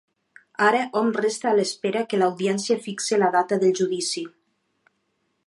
Ara hom resta a l’espera que l’audiència fixe la data del judici.